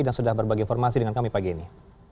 dan sudah berbagi informasi dengan kami pagi ini